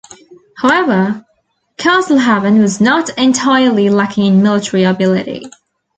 However, Castlehaven was not entirely lacking in military ability.